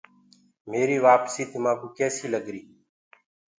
ميري وآپسي تمآڪوُ ڪيسي لگر۔